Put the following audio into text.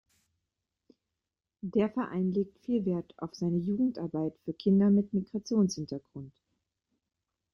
Der Verein legt viel Wert auf seine Jugendarbeit für Kinder mit Migrationshintergrund.